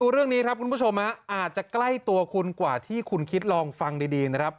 เรื่องนี้ครับคุณผู้ชมอาจจะใกล้ตัวคุณกว่าที่คุณคิดลองฟังดีนะครับ